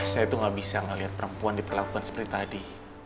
saya tuh gak bisa melihat perempuan diperlakukan seperti tadi